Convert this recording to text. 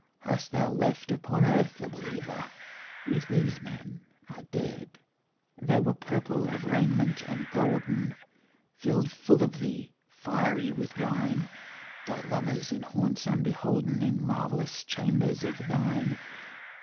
Hast thou left upon earth a believer If these men are dead? They were purple of raiment and golden, Filled full of thee, fiery with wine, Thy lovers, in haunts unbeholden, In marvellous chambers of thine.